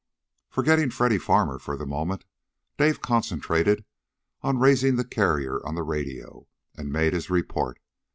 Forgetting Freddy Farmer for the moment, Dave concentrated on raising the carrier on the radio, and made his report.